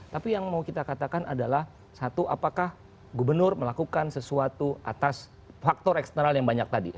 tapi yang mau kita katakan adalah satu apakah gubernur melakukan sesuatu atas faktor eksternal yang banyak tadi